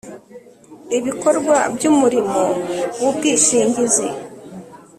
ibikorwa by umurimo w ubwishingizi